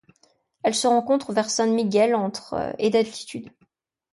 Elle se rencontre vers San Miguel entre et d'altitude.